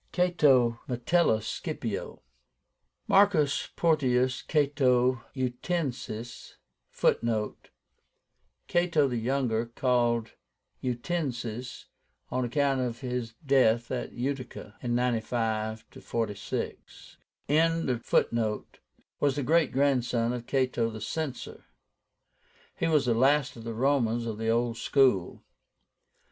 CATO. METELLUS SCIPIO. MARCUS PORTIUS CATO UTICENSIS (Footnote: Cato the Younger, called UTICENSIS on account of his death at Utica.) (95 46) was the great grandson of Cato the Censor. He was the last of the Romans of the old school.